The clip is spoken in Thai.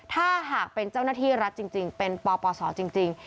ถ้าหากเป็นเจ้าหน้าที่รัฐจริงเป็นปปศจริง